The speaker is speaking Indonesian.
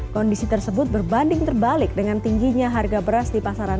kondisi tersebut berbanding terbalik dengan tingginya harga beras di pasaran